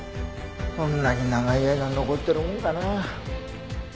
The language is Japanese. そんなに長い間残ってるもんかな。